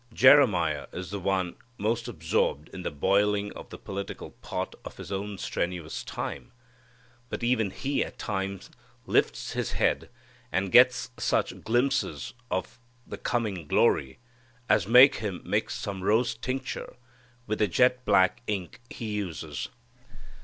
Jeremiah is the one most absorbed in the boiling of the political pot of his own strenuous time, but even he at times lifts his head and gets such glimpses of the coming glory as make him mix some rose tincture with the jet black ink he uses.